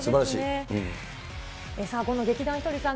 さあ、この劇団ひとりさん